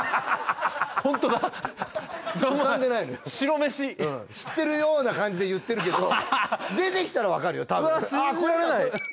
ホントだ浮かんでないのよ何もない白飯知ってるような感じで言ってるけど出てきたら分かるよ多分うわっ信じられないあっ